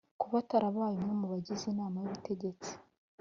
kuba atarabaye umwe mu bagize inama y’ubutegetsi